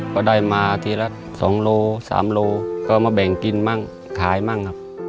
ก็ได้มาทีละ๒โล๓โลก็มาแบ่งกินบ้างขายบ้างครับ